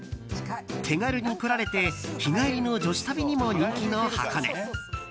手軽に来られて日帰りの女子旅にも人気の箱根。